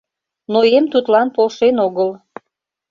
Но эм тудлан полшен огыл.